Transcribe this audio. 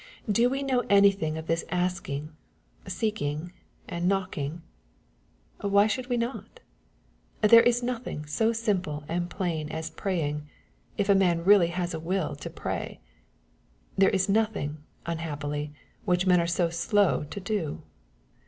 Do we know anything of this asking, seeking, and knocking ? Why should we not ? There is nothing so simple and plain as praying, if a man really has a will to pray. There is nothing, unhappily, which men are so slow to do.